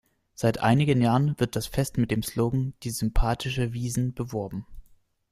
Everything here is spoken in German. Seit einigen Jahren wird das Fest mit dem Slogan „Die sympathische Wiesn“ beworben.